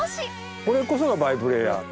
これこそがバイプレーヤー。